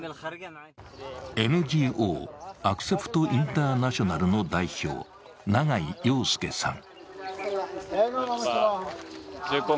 ＮＧＯアクセプト・インターナショナルの代表、永井陽右さん。